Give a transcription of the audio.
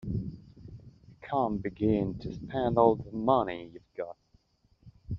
You can't begin to spend all the money you've got.